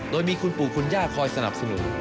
โดยมีคุณปู่คุณย่าคอยสนับสนุน